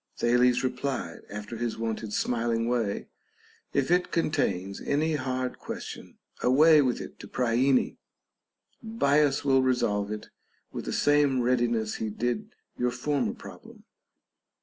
Thales replied, after his wonted smiling way, If it contains any hard question, away with it to Priene. Bias will resolve it with the same readiness he did your former problem.